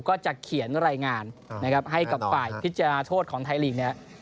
ก็จะเขียนรายงานให้กับฝ่ายพิจารณาโทษของไทท์ลิก